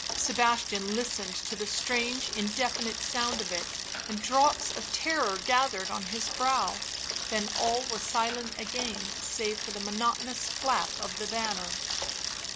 Sebastian listened to the strange indefinite sound of it and drops of terror gathered on his brow; then all was silent again save for the monotonous flap of the banner.